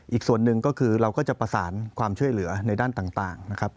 อีกส่วนหนึ่งก็คือเราก็จะประสานความช่วยเหลือในด้านต่างนะครับ